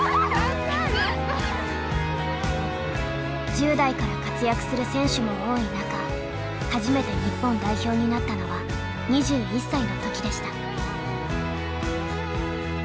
１０代から活躍する選手も多い中初めて日本代表になったのは２１歳の時でした。